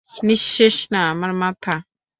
নিঃশেষ না, আমার মাথা।